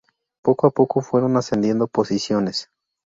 Poco a poco, fueron ascendiendo posiciones.